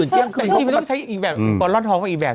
แต่ที่มันต้องใช้อีกแบบก่อนร่อนท้องก็อีกแบบ